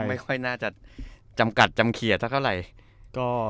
ดูแล้วก็ไม่ค่อยน่าจะจำกัดจำเขียร์เท่าไหร่ก็